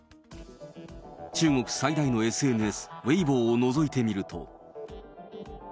中国最大のＳＮＳ、ウェイボーをのぞいてみると。